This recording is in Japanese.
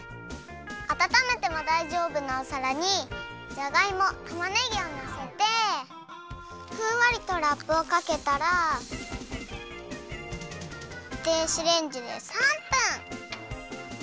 あたためてもだいじょうぶなおさらにじゃがいもたまねぎをのせてふんわりとラップをかけたら電子レンジで３分。